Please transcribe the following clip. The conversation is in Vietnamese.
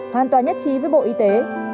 hoàn toàn nhất trí với bộ y tế